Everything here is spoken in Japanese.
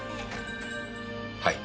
はい。